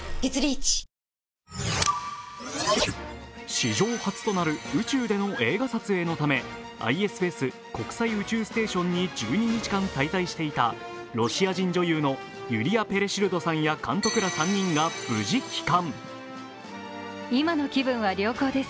史上初となる宇宙での映画撮影のため、ＩＳＳ＝国際宇宙ステーションに１２日間滞在していたロシア人女優のユリヤ・ペレシルドさんら監督ら３人が無事帰還。